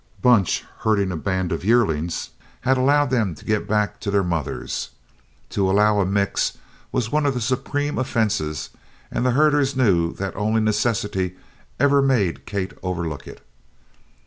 Bunch, herding a band of yearlings, had allowed them to get back to their mothers. To allow a "mix" was one of the supreme offenses and the herders knew that only necessity ever made Kate overlook it.